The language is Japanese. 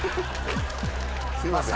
すいません！